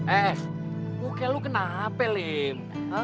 eh buke lu kenapa lim